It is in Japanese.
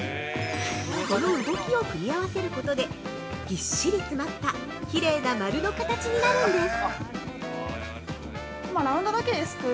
この動きを組み合わせることで、ぎっしり詰まったきれいなまるの形になるんです。